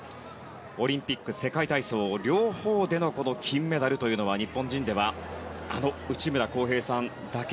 オリンピック、世界体操両方での金メダルというのは日本人ではあの内村航平さんだけ。